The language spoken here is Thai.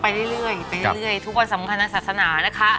ไปเรื่อยไปเรื่อยทุกวันสำคัญทางศาสนานะคะ